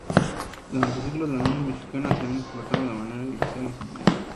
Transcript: Durante siglos, las minas mexicanas se habían explotado de manera irracional y sin medida.